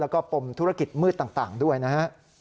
แล้วก็ปมธุรกิจมืดต่างด้วยนะฮะ